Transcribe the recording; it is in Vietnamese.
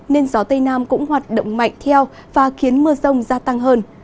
nên gió tây nam cũng hoạt động mạnh theo và khiến mưa rông gia tăng hơn